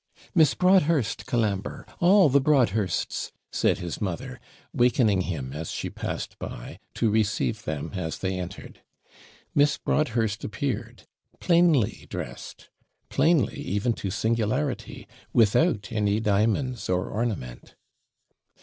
'Miss Broadhurst, Colambre! all the Broadhursts!' said his mother, wakening him, as she passed by, to receive them as they entered. Miss Broadhurst appeared, plainly dressed plainly, even to singularity without any diamonds or ornament.